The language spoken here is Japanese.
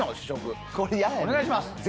お願いします。